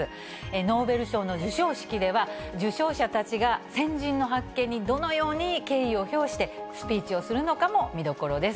ノーベル賞の授賞式では、受賞者たちが先人の発見にどのように敬意を表してスピーチをするのかも見どころです。